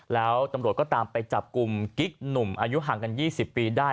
แล้วตำรวจก็ตามไปจับกลุ่มกิ๊กหนุ่มอายุห่างกัน๒๐ปีได้